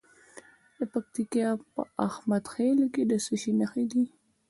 د پکتیا په احمد خیل کې د څه شي نښې دي؟